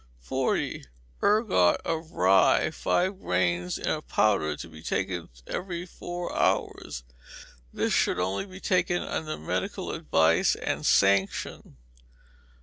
40. Ergot of rye, five grains; in a powder, to be taken every four hours. This should only be taken under medical advice and sanction.